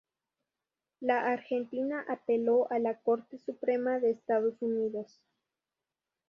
La Argentina apeló a la Corte Suprema de Estados Unidos.